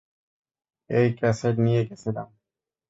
এই ক্যাসেট নিয়ে গিয়েছিলাম।